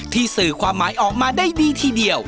สื่อความหมายออกมาได้ดีทีเดียว